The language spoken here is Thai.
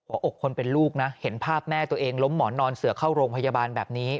อกคนเป็นลูกนะเห็นภาพแม่ตัวเองล้มหมอนนอนเสือเข้าโรงพยาบาลแบบนี้